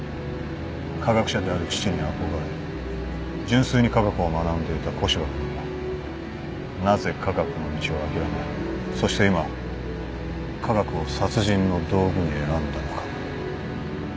科学者である父に憧れ純粋に科学を学んでいた古芝君がなぜ科学の道を諦めそして今科学を殺人の道具に選んだのか。